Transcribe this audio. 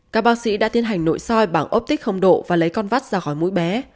các bác sĩ đã tiến hành nội soi bằng ốp tích độ và lấy con vắt ra khỏi mũi bé